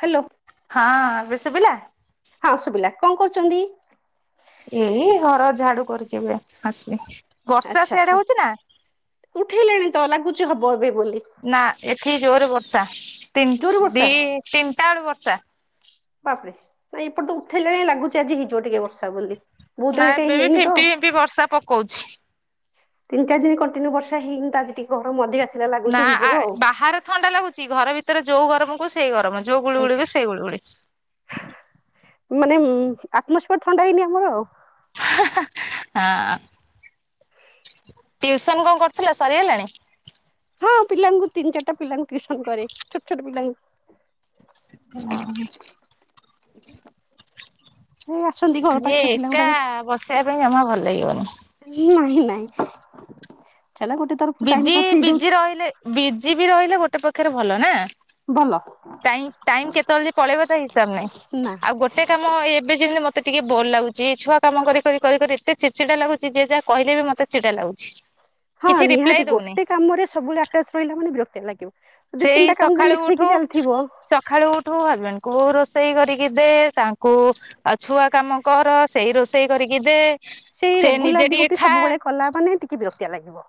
Hello ହଁ ଏବେ ଶୁଭିଲା? ହଁ ଶୁଭିଲା କଣ କରୁଛନ୍ତି? ଏଇ ହର ଝାଡୁ କରୁଚି ଏବେ ଆସି। ଆଚ୍ଛା ଛ ଉଠେଇଲେଣି ତ ଲାଗୁଛି ହବ ଏବେ ବୋଲି। ନା ଏଠି ଜୋରେ ବର୍ଷା, ତିନ ଜୋରେ ଦି ବର୍ଷା ତିନିଟା ବେଳୁ ବର୍ଷା। ବାପରେ ନା ଏପଟେ ତ ଉଠେଇଲେଣି, ଲାଗୁଛି ଆଜି ହେଇଯିବ ଟିକେ ବର୍ଷା ବୋଲି। ବହୁତ ଦିନ ନା କାହିଁ ଏବେ ବି ହେଇନି ତ ଫିମ୍ପି ଫିମ୍ପି ବର୍ଷା ପକଉଛି। ତିନ ଚାରିି ଦିନି କଣ୍ଟିନ୍ୟୁ ବର୍ଷା ହେଇିନି ତ, ଆଜି ଟିକେ ଗରମ ଅଧିକା ଥିଲା ଲାଗୁଛି ନା ଆ ହେଇଯିବ ଆଉ ବାହାର ଥଣ୍ଡା ଲାଗୁଛି, ଘର ଭିତରେ ଯୋଉ ଗରମ କୁ ସେଇ ଗରମ ଯୋଉ ଗୁଳୁ ଗୁଳି କୁ ସେଇ ଗୁଳୁଗୁଳି। ମାନେ ଆଟମସସ୍ଫର ଥଣ୍ଡା ହେଇନି ଆମର ଆଉ। ହଁ ଟିଉସନ କଣ କରୁଥିଲ ସରିଗଲାଣି। ହଁ ପିଲାଙ୍କୁ ତିନି ଚାରିଟା ପିଲାଙ୍କୁ ଟିଉସନ କରେ। ଛୋଟ ଛୋଟ ପିଲାଙ୍କୁ। ହଁ। ଏଇ ଅଛନ୍ତି ଘର ପାଖରେ ପିଲା ଗୁଡାକ। ବସେଇଆ ପାଇଁ ଜମା ଭଲ ଲାଗିବନି। ନାହିଁ ନାହିଁ ଚାଲ ଗୋଟେ ତରଫରୁ ଟାଇମ ବିଜି ପାସ୍ ବିଜି ହେଇଯାଉଛି ରହିଲେ ବିଜି ବି ରହିଲେ ଗୋଟେ ପକ୍ଷରେ ଭଲ ନା। ଭଲ ଟାଇଁ ଟାଇମ୍ କେତେବେଳେ ଯେ ପଳେଇବ ତା ହିସାବ ନାହିଁ ନା ଆଉ ଗୋ ଟେ କାମ ଏବେ ଯେମିତି ମତେ ଟିକେ ବୋର୍ ଲାଗୁଚି ଛୁଆ କାମ କରି କରି କରି କରି ଏତେ ଚିଡଚିଡା ଲାଗୁଚି ଯିଏ ଯା କହିଲେ ବି ମତେ ଚିଡା ଲାଗୁଚି। ହଁ ନିହାତି ଗୋଟେ କାମରେ ସବୁବେଳେ ଆଟାଚ୍ ରହିଲା ମାନେ ବିରକ୍ତିଆ ଲାଗିବ। ଦି ତିନିଟା କାମ ବି ମିଶେଇକି ଚାଲିଥିବ ସଖାଳୁ ଉଠୁ ହଜବେଣ୍ଡଙ୍କୁ ରୋଷେଇ କରିକି ଦେ ତାଙ୍କୁ ଆଉ ଛୁଆ କାମ କର ସେଇ ରୋଷେଇ କରିକି ଦେ। ସେଇ ସେ ନିଜେ ରେଗୁଲାର ଟିକେ ଡିଉଟି ଖା ସବୁବେଳେ କଲା ମାନେ ଟିକେ ବିରକ୍ତିଆ ଲାଗିବ।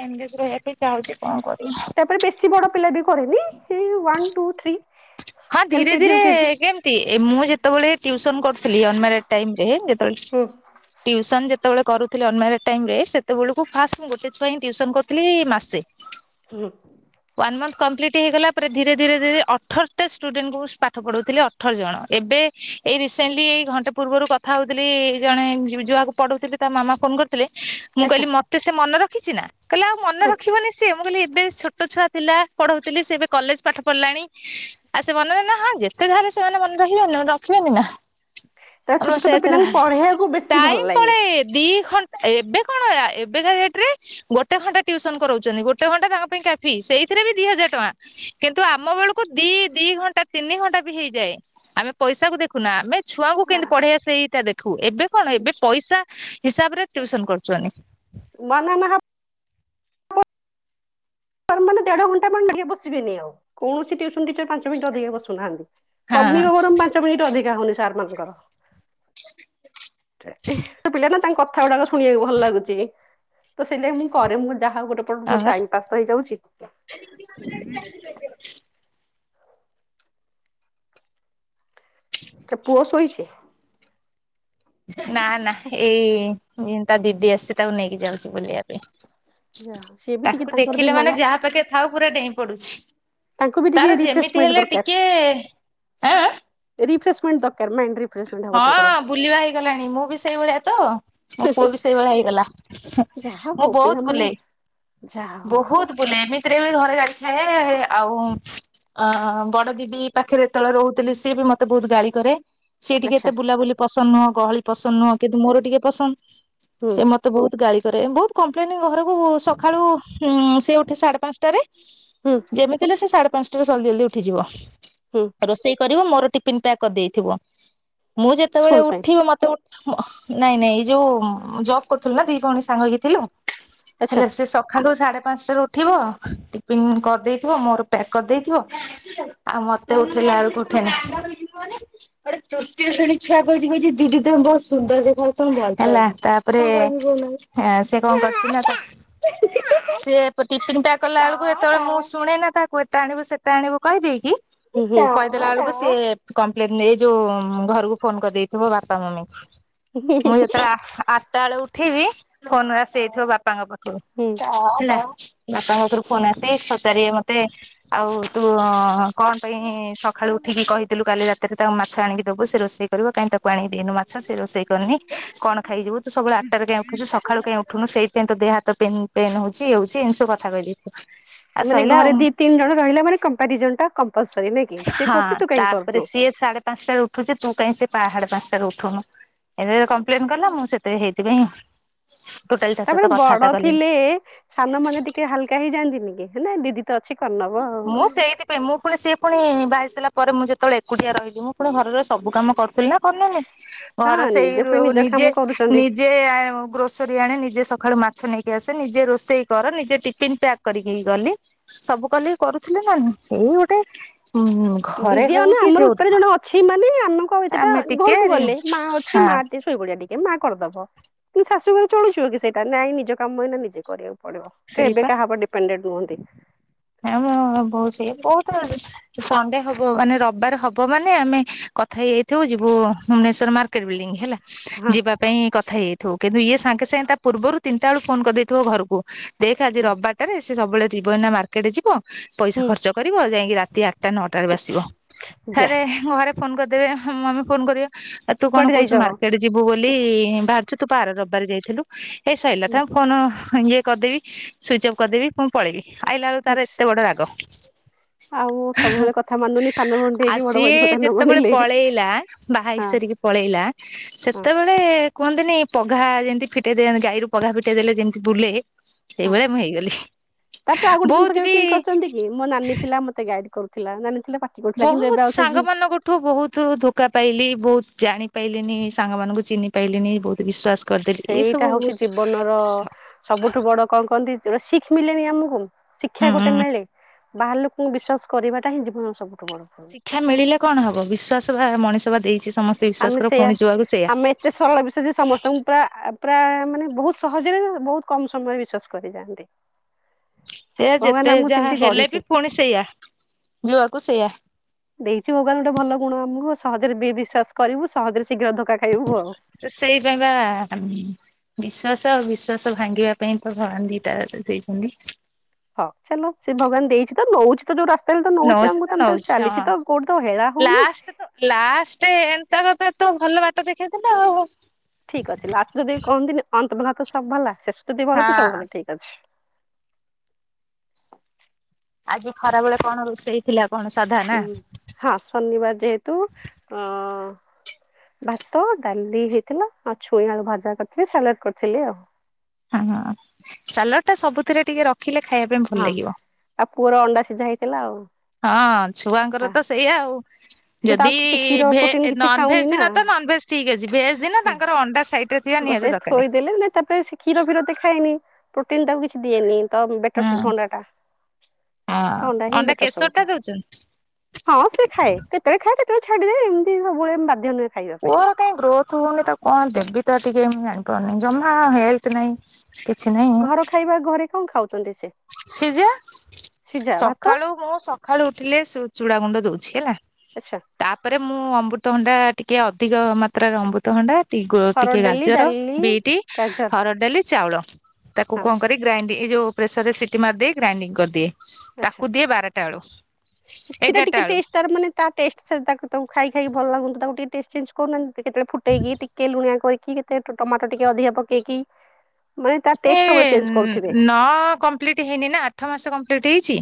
ଏନଗେଜ୍ ରହିବା ପାଇଁ ଚାହୁଁଚି କଁ କରିମି। ମାନେ ବେଶୀ ବଡ ପିଲା ବି କରେନି ଏଇ ୱାନ୍ ଟୁ ଥ୍ରୀ। ହଁ ଏଲ ଧୀରେ କେଜି ଧୀରେ ୟୁ କେଜି ଏଗେନ୍ ତି ଏ ମୁଁ ଯେତବେଳେ ଟିଉସନ୍ କରୁଥିଲି ଅନ୍ ମ୍ୟାରେଡ ଟାଇମରେ ଯେତବେଲ ହୁଁ ଟିଉସନ୍ ଯେତେବେଳେ କରୁଥିଲି ଅନ୍ ମ୍ୟାରେଡ୍ ଟାଇମରେ ସେତବେଳୁକୁ ଫାଷ୍ଟ ମୁଁ ଗୋଟେ ଛୁଆ ହିଁ ଟିଉସନ୍ କରୁଥିଲି ମାସେ। [inaudible] ୱାନ୍ ମନ୍ଥ୍ କମ୍ପ୍ଲିଟି ହେଇଗଲା ପରେ ଧୀରେ ଧୀରେ ଧୀରେ ଅଠର୍ ଟା ଷ୍ଟୁଡେଣ୍ଟକୁ ମୁଁ ସ୍ ପାଠ ପଢଉଥିଲେ ଅଠର ଜଣ। ଏବେ ଏଇ ରିସେଣ୍ଟଲି ଏଇ ଘଣ୍ଟେ ପୂର୍ବରୁ କ ଥା ହଉଥିଲି ଜଣେ ଯୁ ଯୁଆକୁ ପଢଉଥିଲି ତା ମାମା ଫୋନ କରି ଥିଲେ ମୁଁ ଆଚ୍ଛା କହିଲି ମତେ ସେ ମନ ରଖିଛି ନା କହିଲେ ଆଉ ମନ ହୁଁ ରଖିବନି ସିଏ ମୁଁ କହିଲି ଏବେ ଛୋଟ ଛୁଆ ଥିଲା ପଢଉଥିଲି ସିଏ ଏବେ କଲେଜ ପାଠ ପଢିଲାଣି। ଆଉ ସେ ମନରେ ନା ହଁ ଯେତେ ଯାହାହେଲେ ସେମାନେ ମନେ ରହିବେନି ରଖିବେନି ନା। ତା ଛୋଟ ଛୋଟ ପିଲାଙ୍କୁ [unintelligible] ପଢେଇବାକୁ ବେଶୀ ଭଲ ଟାଇମ୍ ଲାଗେ। ପଳେଇ ଦି ଘଣ୍ଟା ଏବେ କଣ ଆ ଏବେକା ଡେଟରେ ଗୋଟେ ଘଣ୍ଟା ଟିଉସନ କରଉଚନ୍ତି ଗୋଟେ ଘଣ୍ଟା ତାଙ୍କ ପାଇଁ କା ଫି ସେଇଥେରେ ବି ଦି ହଜାର ଟଙ୍କା କିନ୍ତୁ ଆମ ବେଳୁକୁ ଦି ଦି ଘଣ୍ଟା ତିନି ଘଣ୍ଟା ବି ହେଇଯାଏ ଆମେ ପଇସାକୁ ଦେଖୁନା ଆମେ ଛୁଆଙ୍କୁ କିନ୍ତି ପଢେଇଆ ସେଇଟା ଦେ ଖୁ ଏବେ କଣ ଏବେ ପଇସା ହିସାବରେ ଟିଉସନ କରୁଛନି। ନା ନା ନା ହାପ୍ [unintelligible] ମାନେ ଦେଢ ଘଣ୍ଟା ମାନେ ଟିକେ ବସିବେନି ଆଉ କୌଣସି ଟିଉସ୍ ସନ୍ ଟିଚର୍ ପାଞ୍ଚ ମିଣ୍ଟି ଅଧିକା ବସୁନାହାନ୍ତି ହଁ କମିବ ବରଂ ପାଞ୍ଚ ମିନିଟ୍ ଅଧିକା ହଉନି ସାରମାନଙ୍କର। ପିଲା ନା ତାଙ୍କ କଥାଗୁଡାକ ଶୁଣିଆକୁ ଭଲ ଲାଗୁଚି ତ ସେଇଥିଲାଗି ମୁଁ କରେ ମୋର ଯାହା ହଉ ଗୋଟେ ତ ମୋର ଟାଇମ ପାସ୍ ତ ହେଇଯାଉଚି। କେ ପୁଅ ଶୋଇଛି? ନା ନା ହେ ଏଇ ଇଁ ତା ଦିଦି ଆସିଚି ତାକୁ ନେଇକି ଯାଉଛି ବୁଲେଇଆ ପେଇଁ। ସିଏ ବି ଟିକେ ତାକୁ ତାଙ୍କର ବି ଦେଖିଲେ ମାନେ ମାଇଣ୍ଡ ଯାହା ପାଖେ ଥାଉ ପୁରା ଡେଇଁ ପଡୁଛି। ତାଙ୍କୁ ବି ଟିକେ ତାର ଯେମିତି ରିଫ୍ରେସମେଣ୍ଟ ହେଲେ ଟିକେ ଆଁ ଆଁ ରିଫ୍ରେସମେଣ୍ଟ୍ ଦରକାର ମାଇଣ୍ଡ୍ ରି ହଁ ବୁଲିବା ହେଇଗଲାଣି ମୁଁ ବି ସେଇଭଳିଆ ତ। ମୋ ପୁଅ ବି ସେଇଭଳିଆ ହେଇଗଲା। ଯାହା ମୁଁ ହଉ ବହୁତ ପିଲାମାନେ ବୁଲେ। ଯାହା ହଉ। ବହୁତ ବୁଲେ ଏମିତିରେ ବି ଘରେ ଯାଇଥାଏ ଆଉ ଆ ବଡ ଦିଦି ପାଖେରେ ଯେତେବେଳେ ରହୁଥିଲି ସିଏ ବି ମତେ ବୋହୁତ ଗାଳି କରେ। ସିଏ ଟିକେ ଆଚ୍ଛା ଏତେ ବୁଲାବୁଲି ପସନ୍ଦ ନୁହଁ ଗହଳି ପସନ୍ଦ ନୁହଁ କିନ୍ତୁ ମୋର ଟିକେ ପସନ୍ଦ ହୁଁ ସେ ମ ତେ ବୋହୁତ ଗାଳି କରେ ବୋହୁତ କପ୍ଲେନେ ଘରକୁ ସଖାଳୁ ହୁଁ ସିଏ ଉଠେ ସାଡେ ପାଂଶଟାରେ ହୁଁ ଯେମିତି ହେଲେ ସେ ସାଡେ ପାଂଶଟାରେ ଜଲ୍ଦି ଜଲ୍ଦି ଉଠିଯିବ ହୁଁ ରୋଷେଇ କରିବ ମୋର ଟିଫିିନ ପ୍ୟାକ୍ କରିଦେଇଥିବ। ମୁଁ ଯେତେବେଳେ ସ୍କୁଲ ପାଇଁ ଉଠିବି ମତେ ଉ ମ ନାଇଁ ନାଇଁ ଏଇ ଯୋଉ ଉଁ ଉଁ ଜବ୍ କରୁଥୁଲୁ ନା ଦି ଭଉଣୀ ସାଙ୍ଗ ହେଇକି ଥିଲୁ ଆଚ୍ଛା ହେଲେ ସିଏ ସଖାଳୁ ସାଢେ ପାଂଶଟାରୁ ଠିବ ଟିଫିନ୍ କରିଦେଇଥିବ ମୋର ପ୍ୟାକ୍ କରିଦେଇଥିବ। ଆଉ ମତେ ଉଠେଇଲା ବେଳକୁ ଉଠେଇନି [unintelligible] ଗୋଟେ ତୃତୀୟ ଶ୍ରଣୀ ଛୁଆ କହୁଛି କହୁଛି ଦିଦି ତୁମେ ବହୁତ ସୁନ୍ଦର ଦେଖାଯାଉଛ [unintelligible] ହଁ ସେ କଣ କରୁଛି ନା ତା ସିଏ ଟିଫନ୍ ଟା କଲା ବେଳକୁ ଏତେବେଳେ ମୁଁ ଶୁଣେ ନା ତାକୁ ଏଟା ଆଣିବୁ ସେଟା ଆଣିବୁ କହିଦେଇକି ହୁଁ ହୁଁ କହିଦେଲା ବେଳକୁ ସେ କମ୍ପ୍ଲେନ ନେ ଯୋଉ ଘରକୁ ଫୋନ କରିଦେଇଥିବ ବାପା ମମି ମୁଁ ଯେତେବେଳେ ଆ ଆ ଟା ବେଳେ ଉଠିବି ଫୋନ ରେ ଆସିଯାଇଥିବ ବାପାଙ୍କ ପାଖକୁ। ହୁଁ। ହେଲା ବାପାଙ୍କ ପାଖରୁ ଫୋନ୍ ଆସି ପଚାରିବେ ମତେ ଆଉ ତୁ କଣ ପାଇଁ ସଖାଳୁ ଉଠିକି କହିଥିଲୁ କାଲି ରାତିରେ ତାକୁ ମାଛ ଆଣିକି ଦବୁ ସେ ରୋଷେଇ କରିବ କାହିଁ ତାକୁ ଆଣି କି ଦେଇନୁ ମାଛ ସେ ରୋଷେଇ କରିନି କଣ ଖାଇକିଯିବ? ତୁ ସବୁବେଳେ ଆଠଟାରେ କାଇଁ ଉଠୁଚୁ ସକାଳୁ କାଇଁ ଉଠୁନୁ ସେଇଥି ପାଇଁ ତୋ ଦେହ ହାତ ପେନ୍ ହଉଛି ଇ ଏ ହଉଛି ଏମତୀ ସବୁ କଥା କହିଦେଇଥିବେ। ମାନେ ଘରେ ଦି ତିନି ଜଣ ରହିଲା ମାନେ କମ୍ପାରିଜନ ଟା କମ୍ପଲସରି ନାଇ କି ସେ କରୁଛି ତୁ କାହିଁ କରୁନୁ। ସାଢ଼େ ପାଞ୍ଚଟାରେ ଉଠୁଛି ତୁ କାଇଁ ସେ ପାହାଡେ ପାଞ୍ଚଟାରେ ଉଠୁନୁ? ଏବେ କମ୍ପ୍ଲେନ କଲା ମୁଁ ସେଥି ହେଇଥିପାଇ ତାପରେ ବଡ଼ ଥିଲେ ସାନମାନେ ଟିକେ ହାଲକା ହେଇଯାଆନ୍ତିନି କି ହେଲେ ଦିଦି ତ ଅଛି କରିନ ମୁଁ ସେଇଥି ମୁଁ ପୁଣି ସିଏ ପୁଣି ବାହା ହେଇସରିଲା ପରେ ମୁଁ ଯେତେବେଳେ ଏକୁଟିଆ ରହିଲି ମୁଁ ପୁଣି ଘରର ସବୁ କାମ କରୁଥିଲି ନା [unintelligible] ଘର ହଁ ନିଜେ ସେଇରୁ ପୁଣି ନିଜ କାମ ନିଜେ କରୁଛନ୍ତି ନିଜେ ଗ୍ରୋସରୀ ଆଣେ ନିଜେ ସଖାଳୁ ମାଛ ନେଇକି ଆସେ ନିଜେ ରୋଷେଇ କର ନିଜେ ଟିଫିିନ ପ୍ୟାକ୍ କରିକି ଗଲି। ସବୁ କଲି କରୁଥିଲି ନା ଏଇ ଗୋଟେ ଉ ଦିଦି ଅନା ଆମର ଉପରେ ଜଣେ ଅଛି ମାନେ ଆମେ ଆମେ [unintelligible] ଟିକେ ଘରକୁ ଗଲେ ମା ଅଛି ହଁ ମା ସୋଇପଡ଼ିଆ ଟିକେ ମା କରିଦବ କିନ୍ତୁ ଶାଶୁ ଘରେ ଚଳୁଛି କି ସେଇଟା ନାଇଁ ନିଜ କାମ ଏଇନା ନିଜେ କରିବାକୁ ପଡ଼ିବ ସେଇପା କେବେ କାହା ଉପରେ ଡିପେଡେଣ୍ଟ ନୁହନ୍ତି। [unintelligible] ସଣ୍ଡେ ହବ ମାନେ ରବିବାର ହବ ମାନେ ଆମେ କଥା ହେଇଯାଇଥିବୁ ଯିବୁ ଭୁବନେଶ୍ଵର ମାର୍କ ର୍କେଟ ବିଲଡିଂ ହେଲା ହଁ ଯିବା ପାଇଁ କଥା ହେଇ ଯାଇଥିବୁ କିନ୍ତୁ ଇଏ ସାଙ୍ଗେ ସାଙ୍ଗେ ତା ପୂର୍ବରୁ ତିନିଟା ବେଳୁ ଫୋନ କରିଦେଇଥିବ ଘରକୁ। ଦେଖ ଆଜି ରବିବାରଟାରେ ସେ ସବୁବେଳେ ତ୍ରିବ ଏଇନା ମାର୍କେଟ ଯିବ। ପଇସା ହୁଁ ଖର୍ଚ୍ଚ କରିବ ଯାଇକି ରାତି ଆଠଟା ନଅଟା ବେଳକୁ ଆସିବ ଯା ଆରେ ଘରେ ଫୋନ କରିଦେବେ ମମି ଫୋନ କରିବ ଆ ତୁ କଣ କୁଆଡେ କହୁଛୁ ଯାଇଛ? ମର୍କେଟ ଯିବୁ ବୋଲି ବାହାରୁଛୁ ତୁପା ଆର ରବିବାର ଯାଇଥିଲୁ ଏଇ ସଇଲା [unintelligible] ଇଏ କରିଦେବି ସୁଇଚ ଅଫ୍ କରିଦେବି ମୁଁ ପଳେଇବି ଆଇଲା ବେଳକୁ ତାର ଏତେ ବଡ଼ ରାଗ। ଆଉ ସବୁବେଳେ କଥା ମାନୁନି ସାନ ଭଉଣୀ ଆଉ ହେଇକି ବଡ ସିଏ ଭଉଣୀ କଥା ନ ଯେତେବେଳେ ମାନିଲେ ପଳେଇଲା ବାହା ହେଇ ହଁ ସାରିକି ପଳେଇଲା। ହଁ। ସେତେବେଳେ କୁହନ୍ତିନି ପଘା ଯେମତି ଫିଟେଦିଆନ୍ତି ଗାଈରୁ ପଘା ଫିଟେଇ ଦେଲେ ଯେମିତି ବୁଲେ ହଁ ସେଇଭଳିଆ ମୁଁ ହେଇଗଲି। ତାପରେ ଆଉ ଗୋଟେ ଜିନିଷ ବହୁତ କେବେ ବି ଫିଲ କରିଛନ୍ତି କି ମୋ ନାନୀ ଥିଲା ମତେ ଗାଇଡ଼ କରୁଥିଲା ନାନୀ ଥିଲା ପା ବହୁତ ସାଙ୍ଗ ମାନଙ୍କ ଠୁ ବହୁତୁ ଧୋକା ପାଇଲି ବହୁତ ଜାଣି ପାଇଲିନି ସାଙ୍ଗମାନଙ୍କୁ ଚିହ୍ନି ପାଇଲିଣିି ବହୁତ ବିଶ୍ୱାସ କରିଦେଲି ଏଇ ସେଇଟା ସବୁ ହଉଛି ବହୁତ ଜୀବନର ସବୁଠୁ ବଡ଼ କଣ କହନ୍ତି ଯୋଉଟା ଶିଖ୍ ମିଳେଣି ଆମକୁ ଶିକ୍ଷା ଗୋଟେ ହୁଁ ମିଳେ ବାହାର ଲୋକଙ୍କୁ ବିଶ୍ୱାସ କରିବାଟା ହିଁ ଜୀବନର ସବୁଠୁ ବଡ଼ ଭୁଲ୍। କ୍ଷା ମିଳିଲେ କଣ ହବ ବିଶ୍ଵାସ ବା ମଣିଷ ବା ଦେଇଛି ସମସ୍ତ ଆମେ ସେୟା ଆମେ ଏତେ ସରଳ [unintelligible] ସମସ୍ତଙ୍କୁ ପୁରା ପୁରା ମାନେ ବହୁତ ସହଜରେ ବହୁତ କମ ସମୟରେ ବିଶ୍ଵାସ କରିଯାଆନ୍ତି। [inaudible] ଇଏ ଯେତେ ଆମକୁ ଯାହା ସେମିତି ହେଲେ ଗଢିଛି ବି ପୁଣି ସେଇଆା ଯୋଉଆକୁ ସେଇଆ। ଦେଇଛି ଭଗବାନ ଗୋଟେ ଭଲ ଗୁଣ ଆମକୁ ସହଜରେ ବିଶ୍ୱାସକରିବୁ ସହଜରେ ଶୀଘ୍ର ଧକ୍କା ସେ ସେଇପାଇଁ ବା ବିଶ୍ଵାସ ଆଉ ବିଶ୍ୱାସ ଭାଙ୍ଗିବା ପାଇଁ ତ ଭଗବାନ ଦିଟା ଦେଇଛନ୍ତି। ହଁ ଚାଲୁ ସେ ଭଗବାନ ଦେଇଛି ତ ନୋଉଚି ଯୋଉ ରାସ୍ତାରେ ତ ନଉଛି ଆମକୁ ତ ଆମେ ଚାଲିଛି ତ କୋଉଠି ତ ହେଳା ହଉନି। ଲାଷ୍ଟ ଲାଷ୍ଟ ଏନ୍ତା କଥା ତ ଭଲ ବାଟ ଦେଖେଇ ଦେଲେ ଆଉ। ଠିକ୍ ଅଛି ଲାଷ୍ଟ ଯଦି କହନ୍ତିନି ଅନ୍ତ ଭଲା ତ ସୁ ଭଲା ଶେଷ ଯଦି ଭଲ ଅଛି ସବୁ ହଁ ଭଲ ଠିକ ଅଛି। ଆଜି ଖରାବେଳେ କଣ ରୋଷେଇ ହେଇଥିଲା କଣ ସାଧା ନା। ହୁଁ। ହଁ ଶନିବାର ଯେହେତୁ ଅ ଭାତ ଡାଲି ହେଇଥିଲା ଆଉ ଛୁଇଁ ଆଳୁ ଭଜା କରିଥିଲି ସାଲାଡ କରିଥିଲି ଆଉ। ହଁ ହଁ ସାଲଡ଼ ଟା ସବୁଥିରେ ଟିକେ ରଖିଲେ ଖାଇବା ପାଇଁ ଭଲ ହଁ ଲାଗିବ। ଆଉ ପୁଅର ଅଣ୍ଡା ସିଝା ହେଇଥିଲା ଆଉ। ହଁ ଛୁଆଙ୍କର ହଁ ତ ସେଇଆ ଆଉ। ସେ ତ ଯଦି ଆଉ କିଛି କ୍ଷୀର ପ୍ରୋଟିନ ଭେଜ କିଛି ନନ ଖାଉନି ଭେଜ ନା ଦିନ ତ ନନ ଭେଜ ଠିକ ଅଛି ଭେଜ ଦିନ ହଁ ତାଙ୍କର ଅଣ୍ଡା ସାଇଟରେ ଗୋଟେ ଥୋଇଦେଲେ ମାନେ ତାପରେ ସେ କ୍ଷୀର ଫୀର ତ ଖାଏନି ପ୍ରୋଟିନ ତାକୁ କିଛି ଦିଏନି। ତ ବେଟର ହୁଁ ସବୁଠୁ ଅଣ୍ଡା ଟା ହଁ ତ ଅଣ୍ଡା ହିଁ ବେଟର କେଶର ସବୁଠୁ। ଟା ଦଉଛନ୍ତି? ହଁ ସେ ଖାଏ କେତେବେଳେ ଖାଏ କେତବେଳେ ଛାଡିଯାଏ ଏମିତି ସବୁବେଳେ ବାଧ୍ୟ ନୁହେଁ। ଖାଇବା ପାଇଁ। ପୁଅର କାଇହିଁ ଗ୍ରୋଥ ହଉନି ତାକୁ କଣ ଦେବି ତ ଟିକେ ଜାଣିପାରୁନି ଜମା ହେଲ୍ଥ ନାଇଁ। ଘର ଖାଇବା ଘରେ କଣ ଖାଉଛନ୍ତି ସେ? ସିଜା। ସିଝା ଭାତ ସକାଳୁ ମୁଁ ସକାଳୁ ଉଠିଲେ ଚୁଡା ଗୁଣ୍ଡ ଦଉଛି ହେଲା। ଆଚ୍ଛା ତାପରେ ମୁଁ ଅମୃତଭଣ୍ଡା ଟିକେ ଅଧିକ ମାତ୍ରାରେ ଅମୃତଭଣ୍ଡା ଟି ହରଡ଼ ଟିକେ ଡାଲି ଗାଜର ଡାଲି ବିଟ ଗାଜର ହରଡ଼ ଡାଲି ଚାଉଳ ତାକୁ ହଁ କଣ କରେ ଗ୍ରାଇଣ୍ଡ ଇ ଯଉ ପ୍ରେସରରେ ସିଟି ମାରିଦିଏ ଗ୍ରାଇଣ୍ଡିଙ୍ଗ କରିଦିଏ। ଆଚ୍ଛା। ତାକୁ ଦିଏ ବାରଟା ବେଳୁ ସେଟା ଟିକେ ଏଗାରଟା ବେଳୁ। ଟେଷ୍ଟ ତାର ମାନେ ତା ଟେଷ୍ଟ ତାକୁ ତାକୁ ଖାଇ ଖାଇକ ଭଲ ଲାଗୁନି ତାକୁ ଟିକେ ଟେଷ୍ଟ ଚେଞ୍ଜ କହୁନାନ୍ତି କେତେବେଳେ ଫୁଟେଇକି ଟିକେ ଲୁଣିଆ କରିକି କେତେ ଟମାଟର ଟିକେ ଅଧିକ ପକେଇକି। ମାନେ ତା ଏ ଟେଷ୍ଟ ସବୁବେଳେ ଚେଞ୍ଜ କରୁଥିବେ ନଅ କମ୍ପ୍ଲିଟ ହେଇନି ନା ଆଠ ମାସ କମ୍ପ୍ଲିଟ ହେଇଛି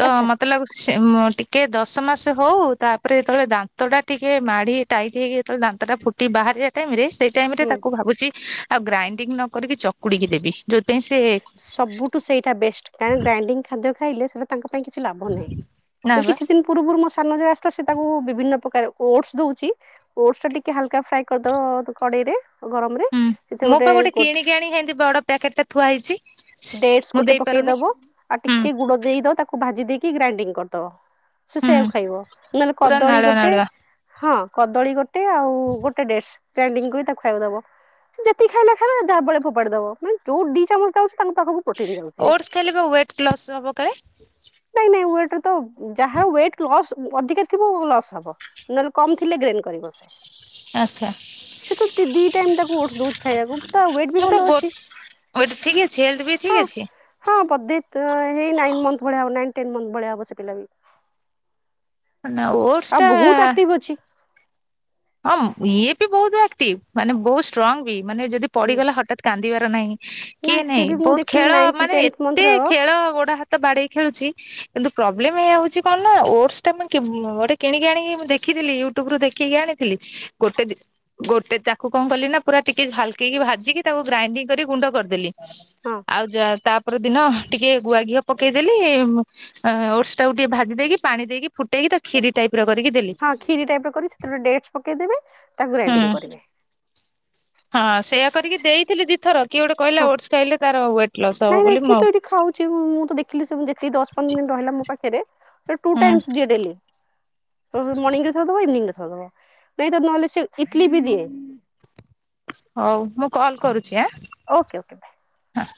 ତ ଆଚ୍ଛା ମତେ ମତେ ଲାଗୁଚି ଟିକେ ଦଶ ମାସ ହଉ ତାପରେ ଯେତେବେଳେ ଦାନ୍ତ ଟା ଟିକେ ମାଡ଼ି ଟାଇଟ ହେଇକି ଯେତେଳେ ଦାନ୍ତ ଟା ଫୁଟି ବାହାରାରିବା ଟାଇମରେ ସେ ଟାଇମରେ ହୁଁ। ତାକୁ ଭାବୁଛି ଆଉ ଗ୍ରାଇଡିଙ୍ଗ ନ କରିକି ଚକୁଡିକି ଦେବି। ଯୋଉଥିପାଇଁ ସେ ସବୁଠୁ ସେଇଟା ବେଷ୍ଟ କାଁଇ ଗ୍ରାଇଡିଙ୍ଗ ଖାଦ୍ୟ ଖାଇଲେ ସେଟା ତାଙ୍କ ପାଇଁ କିଛି ଲାଭ ନାହିଁ ନା ଏ ବା କିଛି ଦିନ ପୂର୍ବରୁ ମୋ ସାନ ଝିଅ ଆସିଥିଲା ସେ ତାକୁ ବିଭିନ୍ନ ପ୍ରକାର ଓଟସ ଦଉଛି। ଓଟସ ଟା ଟିକେ ହାଲକା ଫ୍ରାଏ କରିଦବ କଡେଇରେ ଗରମରେ ହୁଁ ମୁ ପା ଗୋଟେ କିଣିକ ଆଣି ସେମିତି ବଡ ପ୍ୟାକେଟ ଟା ଥୁଆ ହେଇଛି। ଡେଟସ୍ ମୁଁ ଗୋଟେ ପକେଇ ଦେଇପାରୁନି ଦବ ଆଉ ହୁଁ ଟିକେ ଗୁଡ ଦେଇକି ତାକୁ ଭାଜି ଦେଇକି ଗ୍ରାଇଡିଙ୍ଗ କରିଦବ। ସେ ହୁଁ ସେଆକୁ ଖାଇବ ନହେଲେ ପୁରା କଦଳୀ ନାଳୁଆ ଗୋଟେ ନାଳୁଆ ହଁ କଦଳୀ ଗୋଟେ ଗୋଟ ଆଉ ଗୋଟେ ଡେଟସ୍ ଗ୍ରାଇଣ୍ଡିଙ୍ଗ କରି ତାକୁ ଖାଇବାକୁ ଦବ ସେ ଯେତିକ ଖାଇଲା ଖାଇଲା ଯାହା ବାଳେ ଫୋପାଡି ଦବ ମାନେ ଯୋଉ ଦି ଚାମଚ ଖାଉ ତାଙ୍କୁ ଓଡସ ଖାଇଲେ ପା ୱେଟ ଲସ୍ ହବ କାଳେ। ନାଇଁ ନାଇଁ ୱେଟ ର ତ ଯାହାର ୱଟ ଲସ୍ ଅଧିକା ଥିବ ଲସ୍ ହବ। ନହେଲେ କମ ଥିଲେ ଗ୍ରେନ କରିବ ସେ। ଆଚ୍ଛା ସେ ତ ଦି ଟାଇମ ତାକୁ ଓଟସ ଦଉଛି ଖାଇବାକୁ ତା ୱେଟ୍ ବି ମୁଁ ତ ଭଲ ଗୋ ଅଛି। ୱେଟ ଠିକ୍ ଅଛି ହେଲ୍ ବି ହଁ। ଠିକ ଅଛି। ହଁ ବଧେ ହେଇ ନାଇନ୍ ମନ୍ଥ ଭଳିଆ ହବ ନାଇନ୍ ଟେନ୍ ମନ୍ଥ ଭଳିଆ ହବ ସେ ପିଲା କୁ। ମାନେ ଇଅଟ ଆଉ ବହୁତ ଆକ୍ଟିଭ୍ ଅଛି। ହଁ ଇଏ ବି ବହୁତ ଆକ୍ଟିଭ, ମାନେ ବହୁତ ଷ୍ଟ୍ରଙ୍ଗ ବି, ମାନେ ଯଦି ହୁଁ ପଡିଗଲେ ହଠାତ୍ କାନ୍ଦିବାର ନାହିଁ। କିଏ ସିଏ ନାଇଁ ବି ମୁଁ ବହୁତ ଦେଖିଲି ଖେଳ ନାଇନ୍ଥ ମାନେ ଟେନ୍ଥ ଏତେ ମନ୍ଥର ହଁ ଖେଳ ଗୋଡ ହାତ ବାଡେଇ ଖେଳୁଛି। କିନ୍ତୁ ପ୍ରୋବ୍ଲେମ ଏୟା ହଉଛି କଣ ନା ଓଡସଟା ମୁଁ ଗୋଟେ କିଣିକି ଆଣି ମୁଁ ଦେଖଥିଲି ୟୁଟ୍ୟୁବ ରୁ ଦେଖି ଆଣି ଥିଲି ଗୋଟେ ଦି ଗୋଟେ ତାକୁ କଣ କଲି ନା ପୁରା ଟିକେ ହାଲକେଇକି ଭାଜିକି ତାକୁ ଗ୍ରାଇଣ୍ଡିଙ୍ଗ କରି ଗୁଣ୍ଡ କରିଦେଲି। ହଁ। ଆଉ ଯ ତାପରେ ଦିନ ଟିକେ ଗୁଆ ଘିଅ ପକେଇଦେଲି। ଓଡସ ଟାକୁ ଟିକେ ଭାଜି ଦେଇକି ପାଣି ଦେଇକି ଫୁଟେଇକି ତାକୁ କ୍ଷୀରି ଟାଇପ ର କରିକି ଦେଲି। ହଁ କ୍ଷୀରି ଟାଇପ ର କରି ସେତବେଳେ ଡେଟସ୍ ପକେଇଦବେ ତାକୁ ଗ୍ରାଇଣ୍ଡି ହୁଁ କରିବେ। ହଁ ସେଇୟା କରିକି ଦେଇଥିଲି ଦିଥର କିଏ ଗୋଟେ କହିଲା ହଁ ଓଟସ୍ ଖାଇଲେ ତାର ୱେଟ୍ ଲସ୍ ହବ ନାଇଁ ନାଇଁ ବୋଲି ସିଏ ମୁଁ ତ ଏଇଠି ଖାଉଛି ମୁଁ ତ ଦେଖିଲି ସେମିତି ଦଶ ପନ୍ଦର ଦିନ ରହିଲା ମୋ ପାଖରେ ତ ଟୁ ହୁଁ ଟାଇମସ୍ ଦିଏ ଡେଲି। ମର୍ଣିଂରେ ଥରେ ଦବ ଇଭିନିଂ ରେ ଥରେ ଦବ ନାଇ ତ ନହେଲେ ସେ ଇଟଲି ବି ଦିଏ। ହଉ ମୁଁ କଲ୍ କରୁଛି ଆଁ? Okay okay bye. ହଁ।